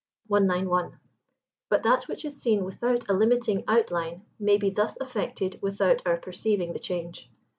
191. But that which is seen without a limiting outline may be thus affected without our perceiving the change.